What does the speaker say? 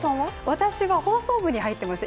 私は放送部に入ってました。